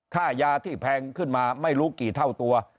ค่ายาที่แพงขึ้นมาไม่รู้กี่เท่าตัว